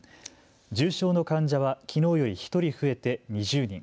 重症の患者はきのうより１人増えて２０人。